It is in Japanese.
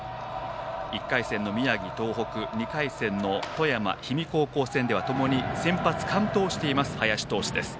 １回戦の富山・東北２回戦の氷見高校戦ではともに先発、完投しています林投手です。